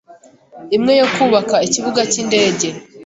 imwe yo kubaka ikibuga cy’indege